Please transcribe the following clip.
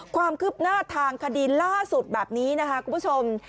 ความคืบหน้าทางคดีล่าสุดแบบนี้นะคะคุณผู้ชม